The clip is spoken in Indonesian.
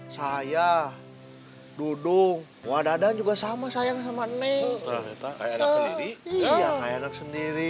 saya dudung wadah dan juga sama sayang sama neng sendiri